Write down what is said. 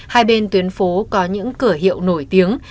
hai bên tuyến phố có những cửa hiệu nổi tiếng